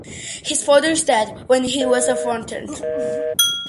His father died when he was fourteen.